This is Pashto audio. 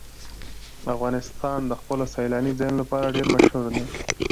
افغانستان د خپلو سیلاني ځایونو لپاره ډېر مشهور دی.